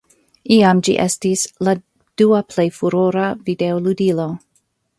Iam ĝi estis la dua plej furora videoludilo.